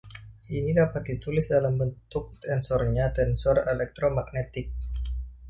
Ini dapat ditulis dalam bentuk tensornya-tensor elektromagnetik.